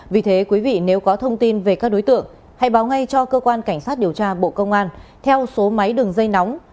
vì thế quý vị nếu có thông tin về các đối tượng hãy báo ngay cho cơ quan cảnh sát điều tra bộ công an theo số máy đường dây nóng